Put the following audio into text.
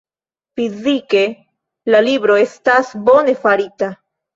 Fizike, la libro estas bone farita.